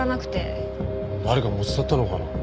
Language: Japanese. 誰かが持ち去ったのかな？